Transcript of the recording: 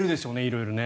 色々ね。